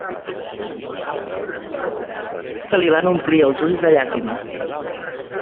Se li van omplir els ulls de llàgrimes.